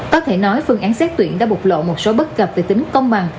có thể nói phương án xét tuyển đã bộc lộ một số bất cập về tính công bằng